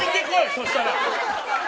そしたら。